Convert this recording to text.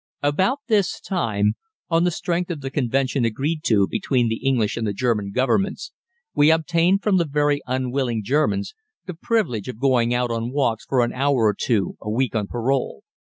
About this time, on the strength of the convention agreed to between the English and the German governments, we obtained from the very unwilling Germans the privilege of going on walks for an hour or two a week on parole.